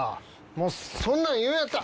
もうそんなん言うんやったら。